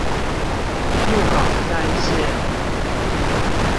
鹿港三線